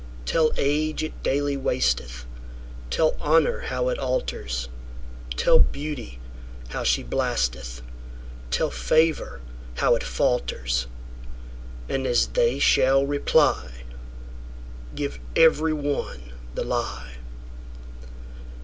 Tell age it daily wasteth; Tell honour how it alters; Tell beauty how she blasteth; Tell favour how it falters:And as they shall reply, Give every one the lie.